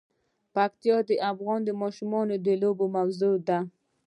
پکتیا د افغان ماشومانو د لوبو موضوع ده.